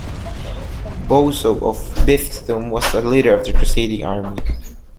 Boso of Vitzthum was the leader of the crusading army.